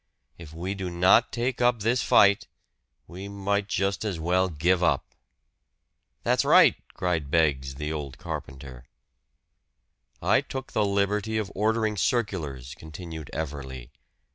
If we do not take up this fight, we might just as well give up." "That's right," cried Beggs, the old carpenter. "I took the liberty of ordering circulars," continued Everley.